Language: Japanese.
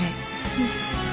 うん。